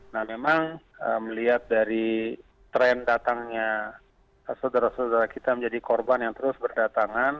nah memang melihat dari tren datangnya saudara saudara kita menjadi korban yang terus berdatangan